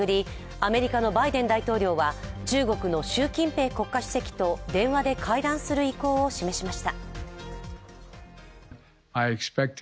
アメリカのバイデン大統領は中国の習近平国家主席と電話で会談する意向を示しました。